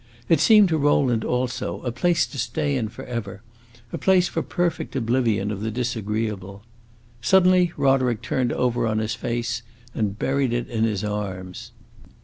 It seemed to Rowland, also, a place to stay in forever; a place for perfect oblivion of the disagreeable. Suddenly Roderick turned over on his face, and buried it in his arms.